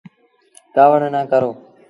ڪآوڙ نا ڪرو۔